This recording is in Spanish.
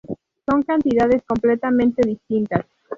Son cantidades completamente distintas.